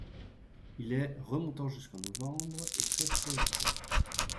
Il est remontant jusqu'en novembre et très florifère.